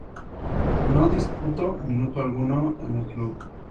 No disputo minuto alguno en el club.